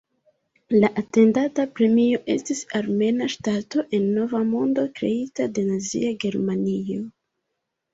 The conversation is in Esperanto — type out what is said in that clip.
La atendata premio estis armena ŝtato en nova mondo kreita de Nazia Germanio.